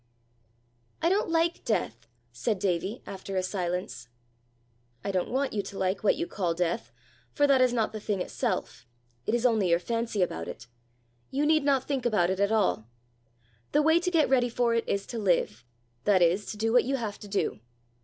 "I don't like death," said Davie, after a silence. "I don't want you to like, what you call death, for that is not the thing itself it is only your fancy about it. You need not think about it at all. The way to get ready for it is to live, that is, to do what you have to do."